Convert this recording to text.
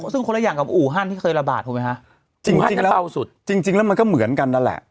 ซึ่งคนละอย่างกับอู่ฮั่นที่เคยระบาดถูกไหมฮะจริงเบาสุดจริงจริงแล้วมันก็เหมือนกันนั่นแหละ